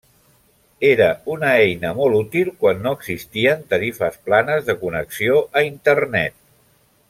Era una eina molt útil quan no existien tarifes planes de connexió a Internet.